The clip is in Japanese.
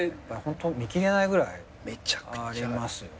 見きれないぐらいありますよね。